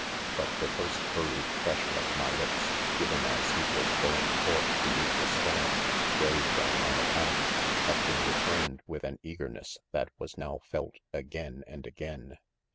But the first hurried pressure of my lips, given as he was going forth to meet a storm, braved on my account, had been returned with an eager ness that was now felt again and again.